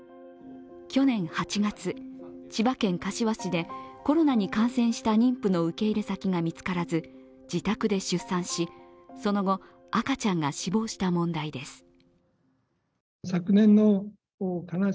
去年８月、千葉県柏市でコロナに感染した妊婦の受け入れ先が見つからず、自宅で出産し、その後、赤ちゃんが死亡した問題です。